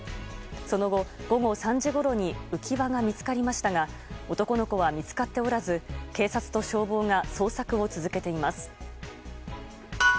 その後、午後３時ごろに浮き輪が見つかりましたが男の子は見つかっておらず警察と消防が捜索を続けています。